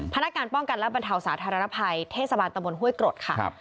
นักการป้องกันและบรรเทาสาธารณภัยเทศบาลตะบนห้วยกรดค่ะ